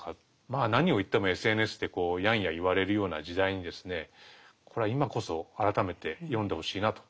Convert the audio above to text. まあ何を言ってもＳＮＳでやんや言われるような時代にですねこれは今こそ改めて読んでほしいなと。